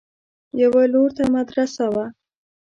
يوه لور ته مدرسه وه.